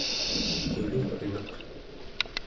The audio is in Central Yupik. qulugneq